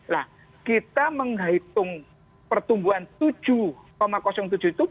nah kita menghitung pertumbuhan tujuh tujuh itu